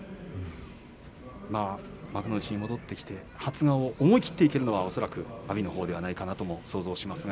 幕内へ戻ってきて初顔、思い切っていけるのは阿炎のほうではないかと想像します。